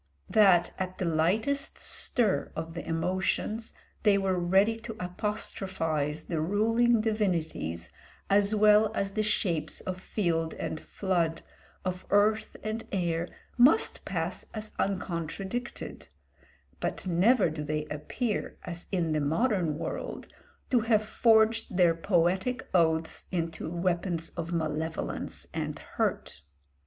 That at the lightest stir of the emotions they were ready to apostrophise the ruling divinities as well as the shapes of field and flood, of earth and air, must pass as uncontradicted, but never do they appear, as in the modern world, to have forged their poetic oaths into weapons of malevolence and hurt.